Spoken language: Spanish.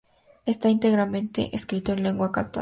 Está íntegramente escrito en lengua catalana.